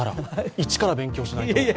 一から勉強しないと。